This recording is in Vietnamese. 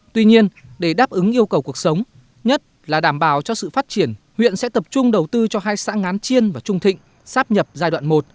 tuy nhiên để đáp ứng yêu cầu cuộc sống nhất là đảm bảo cho sự phát triển huyện sẽ tập trung đầu tư cho hai xã ngán chiên và trung thịnh sáp nhập giai đoạn một